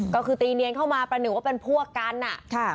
ก็คือตีเนียนเข้ามาประหนึ่งว่าเป็นพวกกันอ่ะค่ะ